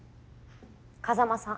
風真さん